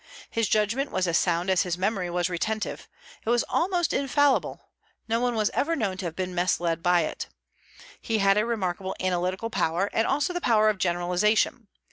His judgment was as sound as his memory was retentive; it was almost infallible, no one was ever known to have been misled by it. He had a remarkable analytical power, and also the power of generalization.